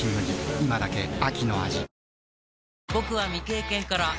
今だけ秋の味